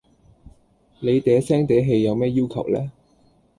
你嗲聲嗲氣有咩要求呢?